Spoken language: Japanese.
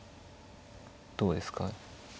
どうですか？